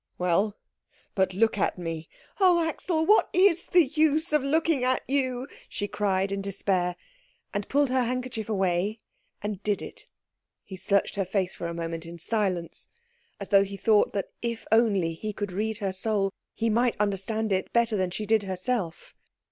"Well, but look at me." "Oh, Axel, what is the use of looking at you?" she cried in despair; and pulled her handkerchief away and did it. He searched her face for a moment in silence, as though he thought that if only he could read her soul he might understand it better than she did herself.